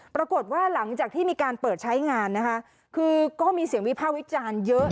ปรากฏว่าหลังจากที่มีการเปิดใช้งานนะคะคือก็มีเสียงวิภาควิจารณ์เยอะ